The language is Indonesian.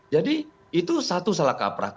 jadi itu satu salah kaprah